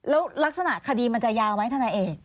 แล้วลักษณะคดีมันจะยาวไหมทนายเอก